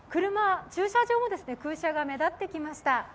駐車場も空車が目立ってきました。